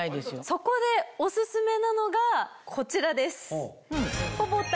そこでオススメなのがこちらです。